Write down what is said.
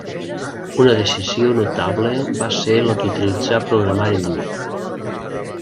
Una decisió notable va ser la d'utilitzar programari lliure.